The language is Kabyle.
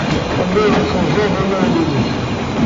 Telliḍ tessewzaleḍ inawen-nnek.